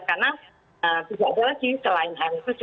karena tidak ada lagi selain angkus